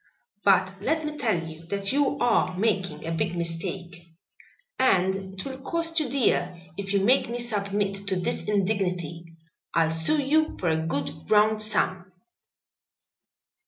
"But let me tell you that you are making a big mistake and it will cost you dear if you make me submit to this indignity. I'll sue you for a good round sum."